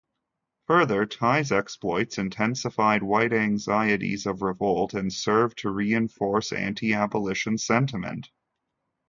Further, Tye's exploits intensified white anxieties of revolt and served to reinforce anti-abolition sentiment.